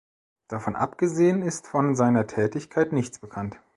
Davon abgesehen ist von seiner Tätigkeit nichts bekannt.